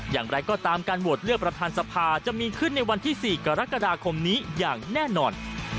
อย่างไรก็ตามการโหวตเลือกประธานสภาจะมีขึ้นในวันที่๔กรกฎาคมนี้อย่างแน่นอน